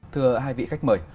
thưa hai vị khách mời